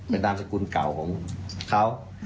เป็นนามสกุลเก่าของเขา